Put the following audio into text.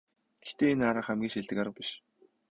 Гэхдээ энэ арга хамгийн шилдэг арга биш.